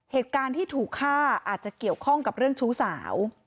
เหตุการณ์ที่ถูกฆ่าอาจจะเกี่ยวข้องกับเรื่องชู้สาว